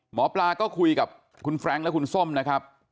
หมอปลาก็คุยกับคุณแฟรงค์และคุณส้มนะครับ